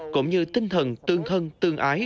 cũng như tinh thần tương thân tương ái